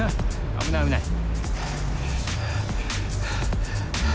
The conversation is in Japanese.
危ない危ない。